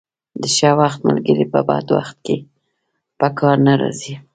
د ښه وخت ملګري په بد وخت کې په کار نه راځي.